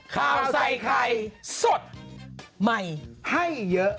ข่าวใส่ไข่สดใหม่ให้เยอะ